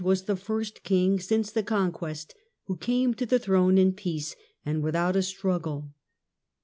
was the first king since the Con quest who came to the throne in peace and without a struggle.